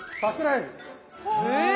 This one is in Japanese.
え！